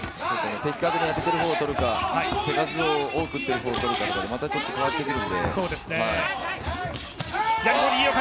的確に当てている方をとるか、手数を多く打っている方をとるか、またちょっと変わってくるので。